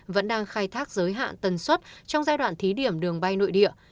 vẫn đang khai thác giới hạn tần suất trong giai đoạn thí điểm đường bay nội địa